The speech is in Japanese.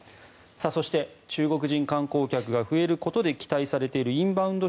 そして中国人観光客が増えることで期待されているインバウンド